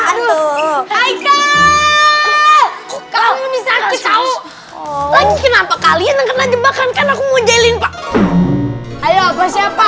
ada kamu disangka tahu lagi kenapa kalian kena jebakan kan aku mau jalin pak ayo siapa